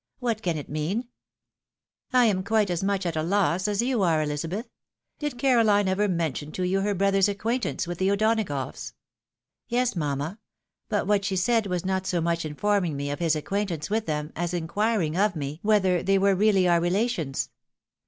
What can it mean ?"" I am quite as much at a "loss as you are, Elizabeth. Did Caroline ever mention to you her brother's acquaintance with the O'Donagoughs? "" Yes, mamma ; but what she said was not so much inform ing me of his acquaintance with them, as inquiring of me, whether they were really our relations."